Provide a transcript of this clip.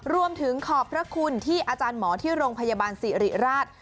ขอบพระคุณที่อาจารย์หมอที่โรงพยาบาลสิริราช